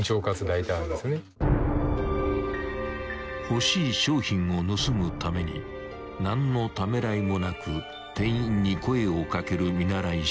［欲しい商品を盗むために何のためらいもなく店員に声を掛ける見習いＣ］